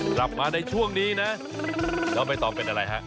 กลับมาในช่วงนี้นะเราไปต่อเป็นอะไรฮะ